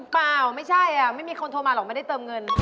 เปล่าไม่ใช่ไม่มีคนโทรมาหรอกไม่ได้เติมเงิน